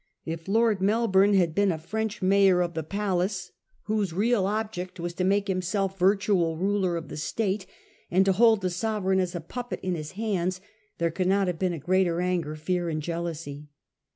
If Lord Melbourne had been a French mayor of the palace, whose real object was 80 A HISTORY OF OUE OWN TIMES. on. n. to make himself virtual ruler of the State, and to hold the Sovereign as a puppet in his hands, there could not have been greater anger, fear and jealousy.